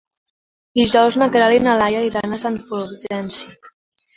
Dijous na Queralt i na Laia iran a Sant Fulgenci.